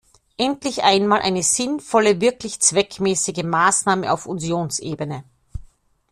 Endlich einmal eine sinnvolle, wirklich zweckmäßige Maßnahme auf Unionsebene.